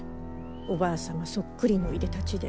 おばあ様そっくりのいでたちで。